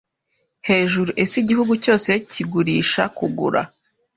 hejuru Ese Igihugu cyose kigurishakugura